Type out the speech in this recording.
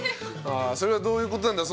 それはどういうことなんだ